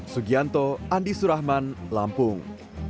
sugianto andi surahman lampung